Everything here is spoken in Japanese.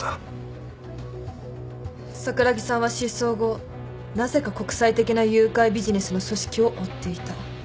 桜木さんは失踪後なぜか国際的な誘拐ビジネスの組織を追っていた。